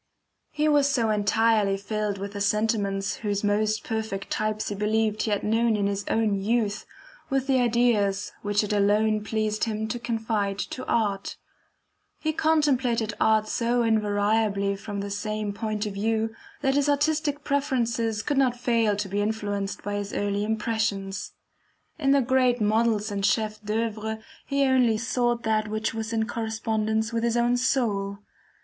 He was so entirely filled with the sentiments whose most perfect types he believed he had known in his own youth, with the ideas which it alone pleased him to confide to art; he contemplated art so invariably from the same point of view, that his artistic preferences could not fail to be influenced by his early impressions. In the great models and CHEFS D'OEUVRE, he only sought that which was in correspondence with his own soul.